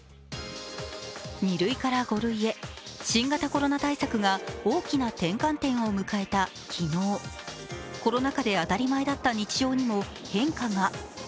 ２類から５類へ、新型コロナ対策が大きな転換点を迎えた昨日、コロナ禍で当たり前だった日常にも変化が。